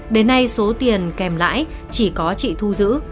đến nay số tiền kèm lãi chỉ có chị thu giữ